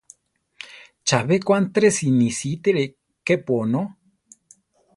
Chabé ko Antresi nisítire kepu onó.